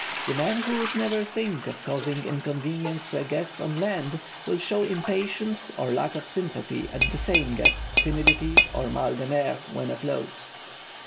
The man who would never think of causing inconvenience to a guest on land will show impatience or lack of sympathy at that same guest's timidity or mal de mer, when afloat.